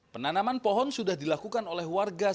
penanaman pohon sudah dilakukan oleh warga